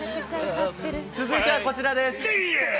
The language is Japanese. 続いてはこちらです。